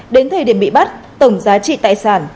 đến thời điểm bị bắt tổng giá trị tài sản